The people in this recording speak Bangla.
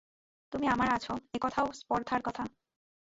তুমি আমার আছ, এ কথাও স্পর্ধার কথা।